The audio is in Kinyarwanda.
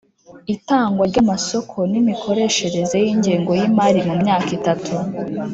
itangwa ry’amasoko n’imikoreshereze y’ingengo y’imari mu myaka itatu